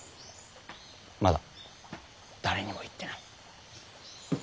まだ誰にも言ってない。